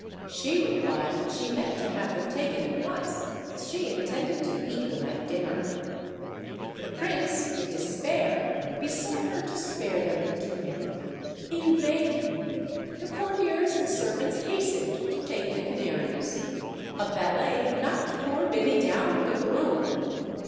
She replied that she meant to have them taken at once, as she intended to eat them at dinner. The prince, in despair, besought her to spare them to him. In vain! The courtiers and servants hastened to take the canaries. A valet knocked poor Biby down with a broom.